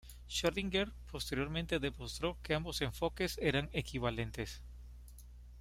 Schrödinger posteriormente demostró que ambos enfoques eran equivalentes.